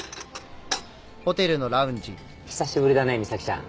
久しぶりだね美咲ちゃん。